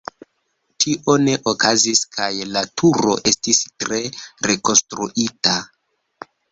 Tio ne okazis kaj la turo estis tre rekonstruita.